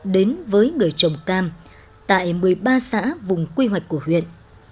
đến với người trồng cam tại một mươi ba xã vùng quy hoạch của huyện